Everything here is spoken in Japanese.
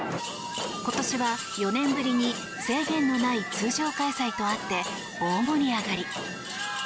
今年は４年ぶりに制限のない通常開催とあって大盛り上がり。